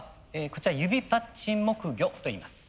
こちらユビパッチン木魚といいます。